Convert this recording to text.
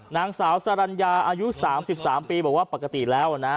นางสาวสรรญาอายุ๓๓ปีบอกว่าปกติแล้วนะ